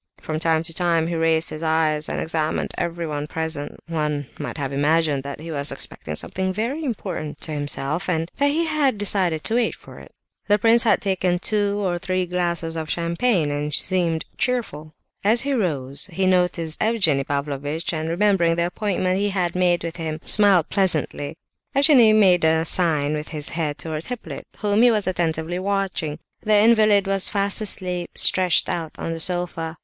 From time to time he raised his eyes, and examined everyone present; one might have imagined that he was expecting something very important to himself, and that he had decided to wait for it. The prince had taken two or three glasses of champagne, and seemed cheerful. As he rose he noticed Evgenie Pavlovitch, and, remembering the appointment he had made with him, smiled pleasantly. Evgenie Pavlovitch made a sign with his head towards Hippolyte, whom he was attentively watching. The invalid was fast asleep, stretched out on the sofa.